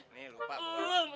nih lupa pak